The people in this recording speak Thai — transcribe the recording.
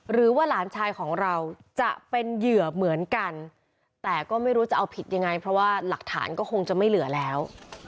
หรือว่าหลานชายของเราจะเป็นเหยื่อเหมือนกันแต่ก็ไม่รู้จะเอาผิดยังไงเพราะว่าหลักฐานก็คงจะไม่เหลือแล้ว